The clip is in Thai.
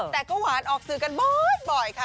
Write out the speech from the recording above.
แต่ก็หวานออกสื่อกันบ่อยค่ะ